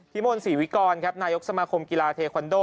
ที่โหมนสี่วิกรัมนายกกษมาคมกีฬาเทควนโด